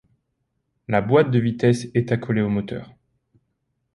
La boîte de vitesses est accolée au moteur.